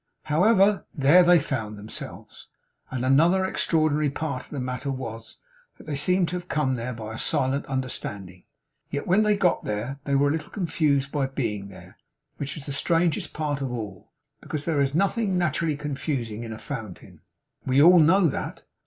However, there they found themselves. And another extraordinary part of the matter was, that they seemed to have come there, by a silent understanding. Yet when they got there, they were a little confused by being there, which was the strangest part of all; because there is nothing naturally confusing in a Fountain. We all know that.